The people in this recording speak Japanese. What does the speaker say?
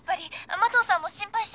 麻藤さんも心配してて」